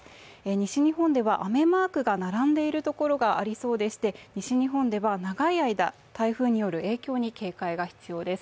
西日本では雨マークが並んでいるところがありそうでして西日本では長い間、台風による影響に警戒が必要です。